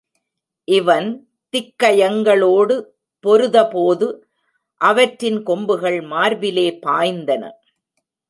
இவன் திக்கயங்களோடு பொருதபோது அவற்றின் கொம்புகள் மார்பிலே பாய்ந்தன.